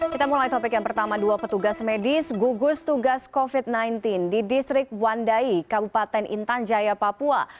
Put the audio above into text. kita mulai topik yang pertama dua petugas medis gugus tugas covid sembilan belas di distrik wandai kabupaten intan jaya papua